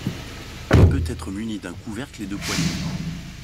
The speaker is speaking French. Il peut être munit d'un couvercle et de poignées.